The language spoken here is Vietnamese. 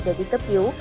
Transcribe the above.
để đi cấp cứu